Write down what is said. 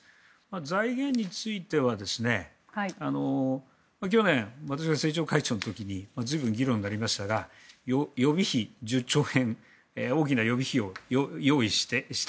財源については去年、私が政調会長の時に随分議論になりましたが予備費１０兆円大きな予備費を用意した。